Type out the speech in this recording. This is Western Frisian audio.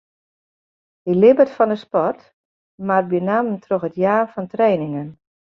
Hy libbet fan de sport, mar benammen troch it jaan fan trainingen.